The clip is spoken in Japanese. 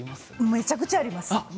めちゃくちゃあります。